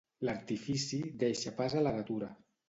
L'artifici deixa pas a la natura.